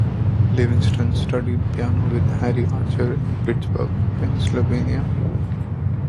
Livingston studied piano with Harry Archer in Pittsburgh, Pennsylvania.